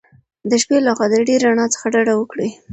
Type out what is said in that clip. د شپې له خوا د ډېرې رڼا څخه ډډه وکړئ.